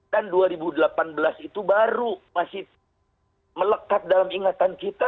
dan dua ribu delapan belas itu baru masih melekat dalam ingatan kita